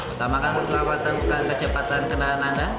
utamakan keselamatan dengan kecepatan kenalan anda